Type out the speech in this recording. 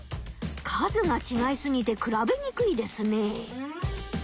数がちがいすぎて比べにくいですね。